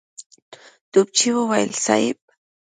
توپچي وويل: صېب!